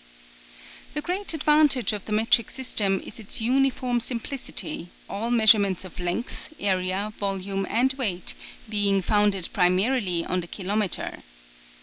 " The great advantage of the metric sys tem is its uniform simplicity, all measure ments of length, area, volume and weight being founded primarily on the kilometre.